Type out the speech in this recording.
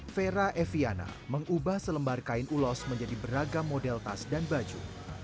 vera eviana mengubah selembar kain ulos menjadi beragam model tas dan baju